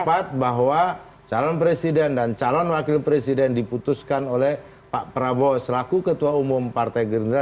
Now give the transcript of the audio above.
sempat bahwa calon presiden dan calon wakil presiden diputuskan oleh pak prabowo selaku ketua umum partai gerindra